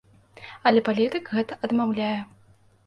Але палітык гэта адмаўляе.